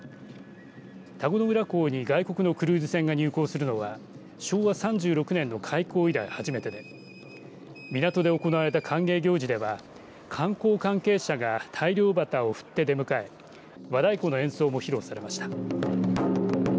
田子の浦港に外国のクルーズ船が入港するのは昭和３６年の開港以来初めてで港で行われた歓迎行事では観光関係者が大漁旗を振って出迎え和太鼓の演奏も披露されました。